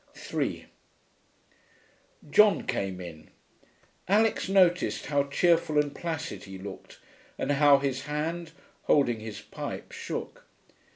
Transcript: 3 John came in. Alix noticed how cheerful and placid he looked, and how his hand, holding his pipe, shook.